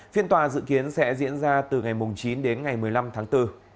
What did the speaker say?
phiên tòa dự kiến sẽ diễn ra từ ngày chín đến ngày một mươi năm tháng bốn